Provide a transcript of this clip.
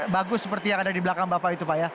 bagus seperti yang ada di belakang bapak itu pak ya